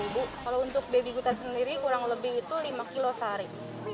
ya sampai harga seratus kalau untuk baby kita sendiri kurang lebih itu lima kg sehari